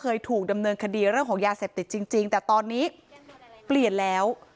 เคยถูกดำเนินคดีเรื่องของยาเสพติดจริงแต่ตอนนี้เปลี่ยนแล้ว